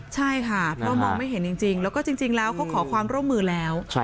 ใช่ค่ะเพราะมองไม่เห็นจริงแล้วก็จริงแล้วเขาขอความร่วมมือแล้ว